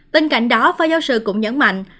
bên cạnh đó phó giáo sư cũng nhấn mạnh